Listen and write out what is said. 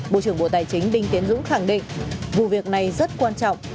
bộ trưởng bộ tài chính đinh tiến dũng khẳng định vụ việc này rất quan trọng